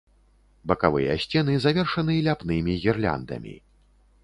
Бакавыя сцены завершаны ляпнымі гірляндамі.